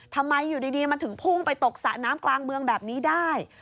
ทำไมอยู่ดีมันถึงพุ่งไปตกสระน้ำกลางเมืองแบบนี้ได้